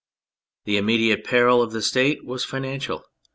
The immediate peril of the State was financial.